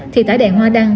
thì thải đèn hoa đăng